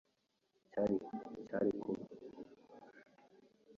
cyari kuba gicogoje uruhare rwe nk'umukozi wa Kristo.